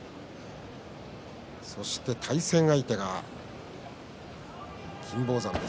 そして対戦相手、金峰山。